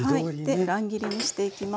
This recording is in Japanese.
で乱切りにしていきます。